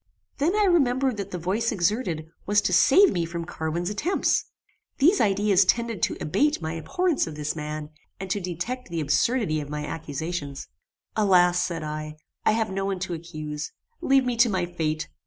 Then I remembered that the voice exerted, was to save me from Carwin's attempts. These ideas tended to abate my abhorrence of this man, and to detect the absurdity of my accusations. "Alas!" said I, "I have no one to accuse. Leave me to my fate.